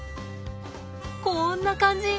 こんな感じ。